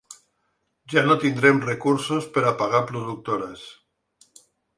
Ja no tindrem recursos per a pagar productores.